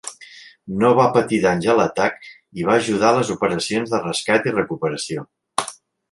No va patir danys a l"atac i va ajudar a les operacions de rescat i recuperació.